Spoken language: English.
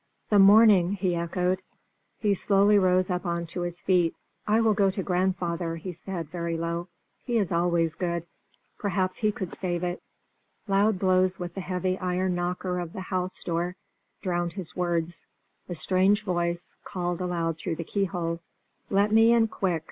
"The morning!" he echoed. He slowly rose up on to his feet. "I will go to grandfather," he said, very low. "He is always good: perhaps he could save it." Loud blows with the heavy iron knocker of the house door drowned his words. A strange voice called aloud through the keyhole: "Let me in! Quick!